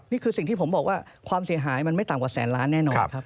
นี่คือสิ่งที่ผมบอกว่าความเสียหายมันไม่ต่ำกว่าแสนล้านแน่นอนครับ